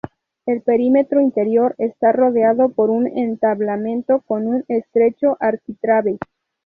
El perímetro interior está rodeado por un entablamento, con un estrecho arquitrabe.